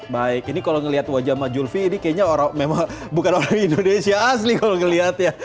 baik ini kalau ngeliat wajah mas zulfi ini kayaknya orang memang bukan orang indonesia asli kalau ngeliat ya